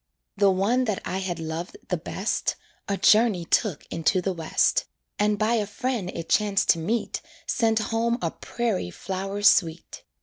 The one that I had loved the best A journey took into the West, And by a friend it chanced to meet Sent home a prairie flower sweet.